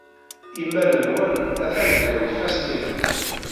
Imal-nwen atan gar yifassen-inu.